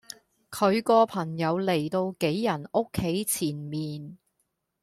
佢個朋友嚟到杞人屋企前面